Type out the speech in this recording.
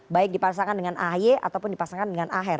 baik dipasangkan dengan ahy ataupun dipasangkan dengan aher